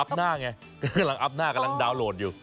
หน้าไงก็กำลังอัพหน้ากำลังดาวนโหลดอยู่